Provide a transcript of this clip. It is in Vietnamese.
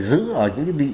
giữ ở những vị